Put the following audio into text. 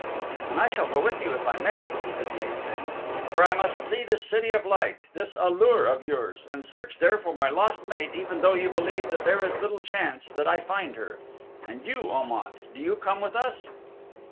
"And I shall go with you, if I may," said the ape man, "for I must see this City of Light, this A lur of yours, and search there for my lost mate even though you believe that there is little chance that I find her. And you, Om at, do you come with us?"